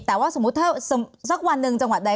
แต่ว่าสมมุติถ้าสักวันหนึ่งจังหวัดใด